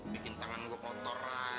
bikin tangan gue kotor lah